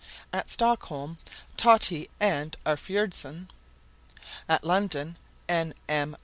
At Stockholm, Tottie and Arfuredson. At London, N. M.